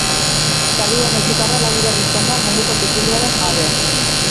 Salido mexikarra lau bider izan da munduko tituluaren jabe.